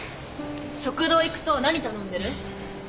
食堂行くと何頼んでる？